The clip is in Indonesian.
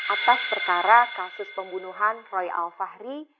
atas perkara kasus pembunuhan roy alfahri